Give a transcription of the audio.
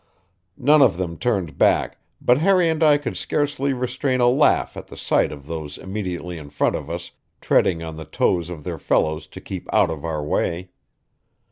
None of them turned back, but Harry and I could scarcely restrain a laugh at the sight of those immediately in front of us treading on the toes of their fellows to keep out of our way.